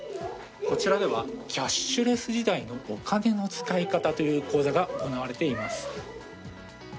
こちらではキャッシュレス時代のお金の使い方という講座が行われています。